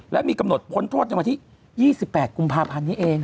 และมีกำหนดพ้นโทษในวันที่๒๘กุมภาพันธ์นี้เอง